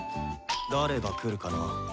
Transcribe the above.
誰がくるかな。